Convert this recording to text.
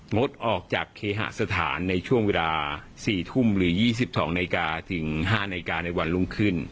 งดออกจากเคหสถานในช่วงเวลา๔ทุ่มหรือ๒๒นาฬิกาถึง๕นาฬิกาในวันรุ่งขึ้น